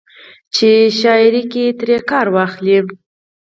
چې شاعرۍ کښې ترې کار واخلي